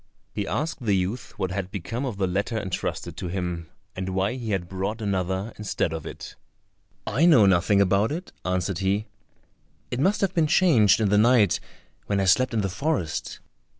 He asked the youth what had become of the letter entrusted to him, and why he had brought another instead of it. "I know nothing about it," answered he; "it must have been changed in the night, when I slept in the forest."